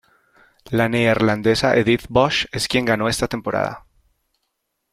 La neerlandesa Edith Bosch es quien ganó esta temporada.